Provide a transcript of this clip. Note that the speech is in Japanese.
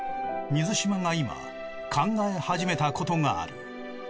水嶋が今考え始めたことがある。